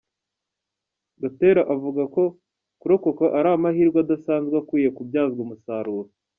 Gatera avuga ko kurokoka ari amahirwe adasanzwe akwiye kubyazwa umusaruro.